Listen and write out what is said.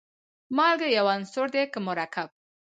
مالګه یو عنصر دی که مرکب.